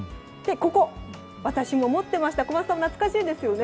ここ、私も持っていました小松さんも懐かしいですよね。